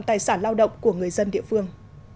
tài sản lao động của người dân địa phương